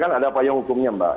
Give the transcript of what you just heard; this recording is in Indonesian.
kan ada apa yang hukumnya mbak